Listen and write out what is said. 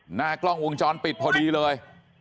หน้ากล้องวงจรปิดพอดีเลย